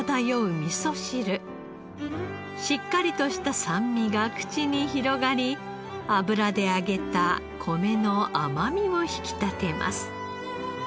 しっかりとした酸味が口に広がり油で揚げた米の甘みを引き立てます。